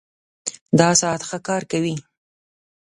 دا ساعت ښه کار کوي